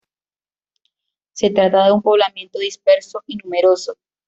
Se trata de un poblamiento disperso y numeroso.